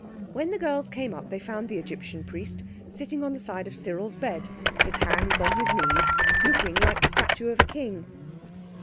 When the girls came up they found the Egyptian Priest sitting on the side of Cyril's bed, his hands on his knees, looking like a statue of a king.